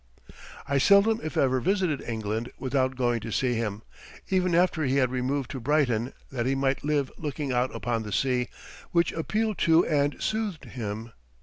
I seldom if ever visited England without going to see him, even after he had removed to Brighton that he might live looking out upon the sea, which appealed to and soothed him.